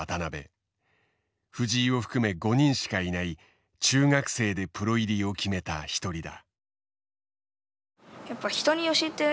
藤井を含め５人しかいない中学生でプロ入りを決めた一人だ。